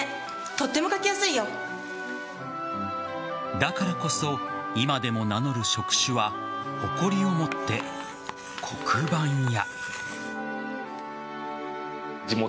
だからこそ今でも名乗る職種は誇りを持って黒板屋。